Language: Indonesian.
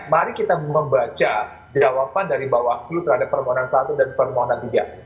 mari kita membaca jawaban dari bawaslu terhadap permohonan satu dan permohonan tiga